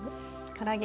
から揚げ。